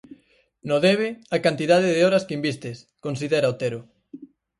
No debe, "a cantidade de horas que invistes", considera Otero.